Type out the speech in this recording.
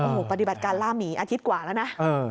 โอ้โหปฏิบัติการล่าหมีอาทิตย์กว่าแล้วนะ